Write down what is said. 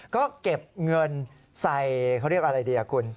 ก็เก็บเงินใส่เค้าเรียกว่าอะไรดีว่ะคุณ